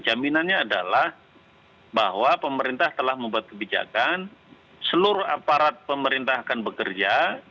jaminannya adalah bahwa pemerintah telah membuat kebijakan seluruh aparat pemerintah akan bekerja